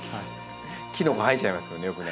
キノコ生えちゃいますよねよくね。